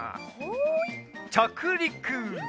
ちゃくりく！